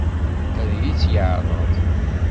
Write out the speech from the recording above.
Ad iyi-tt-yeɛṛeḍ?